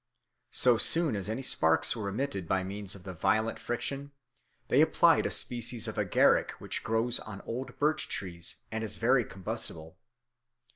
So soon as any sparks were emitted by means of the violent friction, they applied a species of agaric which grows on old birch trees, and is very combustible.